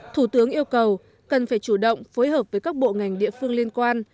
thủ tướng yêu cầu cần phải chủ động phối hợp với các bộ ngành địa phương liên quan